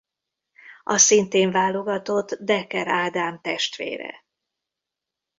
A szintén válogatott Decker Ádám testvére.